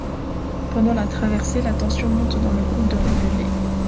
Pendant la traversée, la tension monte dans le groupe de réfugiés.